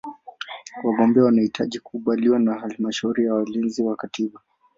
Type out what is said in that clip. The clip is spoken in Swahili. Wagombea wanahitaji kukubaliwa na Halmashauri ya Walinzi wa Katiba.